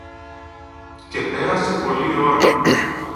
Και πέρασε πολλή ώρα.